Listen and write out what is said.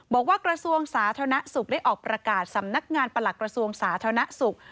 กระทรวงสาธารณสุขได้ออกประกาศสำนักงานประหลักกระทรวงสาธารณสุข